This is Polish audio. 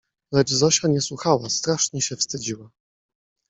Lecz Zosia nie słuchała, strasznie się wstydziła.